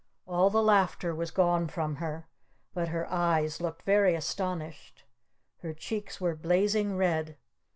All the laughter was gone from her. But her eyes looked very astonished. Her cheeks were blazing red.